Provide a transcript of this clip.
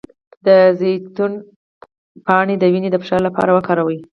د زیتون پاڼې د وینې د فشار لپاره وکاروئ